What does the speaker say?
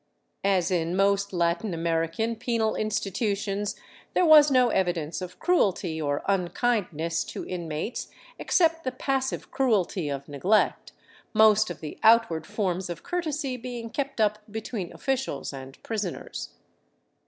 As in most Latin American penal institutions, there was no evidence of cruelty or unkindness to inmates, except the passive cruelty of neglect, most of the outward forms of courtesy being kept up between officials and prisoners.